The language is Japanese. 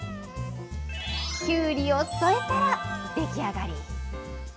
きゅうりを添えたら出来上がり。